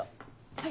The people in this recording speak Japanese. はい？